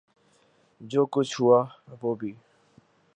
جو کچھ ہوا، وہ بھی